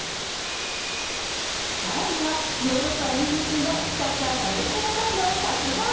最後は、ヨーロッパ遠征中のサッカー・なでしこジャパンの速報。